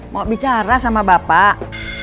mau bicara sama bapak